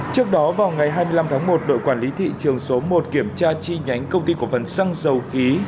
trước đó vào ngày hai mươi năm tháng một đội quản lý thị trường số một kiểm tra chi nhánh công ty cổ phần xăng dầu khí